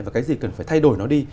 và cái gì cần phải thay đổi nó đi